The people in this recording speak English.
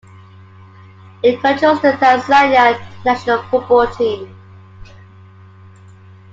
It controls the Tanzania national football team.